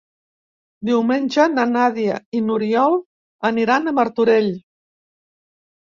Diumenge na Nàdia i n'Oriol aniran a Martorell.